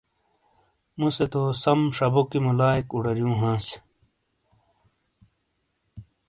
مُوسے تو سم شبوکی ملایئک اُوڈاریوں ہانس۔